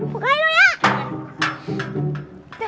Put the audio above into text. bukain lu ya